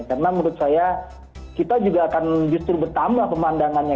karena menurut saya kita juga akan justru bertambah pemandangannya